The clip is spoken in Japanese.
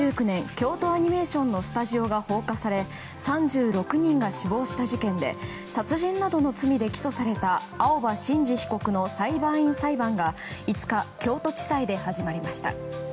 京都アニメーションのスタジオが放火され３６人が死亡した事件で殺人などの罪で起訴された青葉真司被告の裁判員裁判が５日、京都地裁で始まりました。